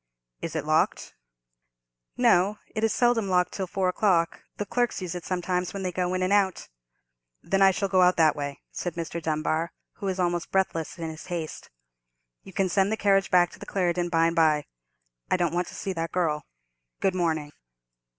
"Is it locked?" "No; it is seldom locked till four o'clock; the clerks use it sometimes, when they go in and out." "Then I shall go out that way," said Mr. Dunbar, who was almost breathless in his haste. "You can send the carriage back to the Clarendon by and by. I don't want to see that girl. Good morning."